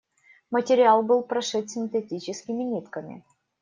Материал был прошит синтетическими нитками.